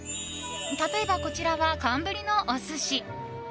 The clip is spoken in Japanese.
例えば、こちらは寒ブリのお寿司。